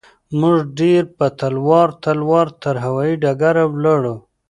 موږ ډېر په تلوار تلوار تر هوايي ډګره ولاړو.